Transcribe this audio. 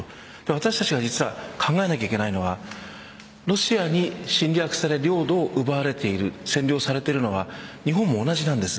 私たちが実は考えなきゃいけないのはロシアに侵略され領土を奪われているのは日本も同じなんです。